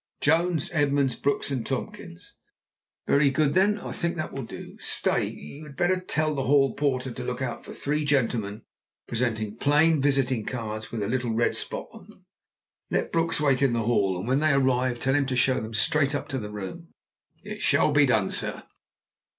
"Jones, Edmunds, Brooks, and Tomkins." "Very good. Then I think that will do. Stay! You had better tell the hall porter to look out for three gentlemen presenting plain visiting cards with a little red spot on them. Let Brooks wait in the hall, and when they arrive tell him to show them straight up to the room." "It shall be done, sir."